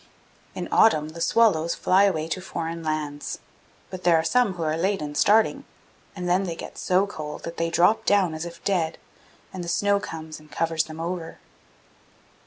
In autumn the swallows fly away to foreign lands; but there are some who are late in starting, and then they get so cold that they drop down as if dead, and the snow comes and covers them over.